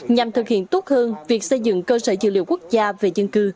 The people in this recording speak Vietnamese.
nhằm thực hiện tốt hơn việc xây dựng cơ sở dữ liệu quốc gia về dân cư